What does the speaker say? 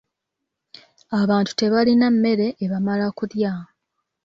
Abantu tebalina mmere ebamala kulya.